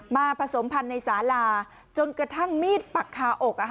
ผสมพันธุ์ในสาลาจนกระทั่งมีดปักคาอก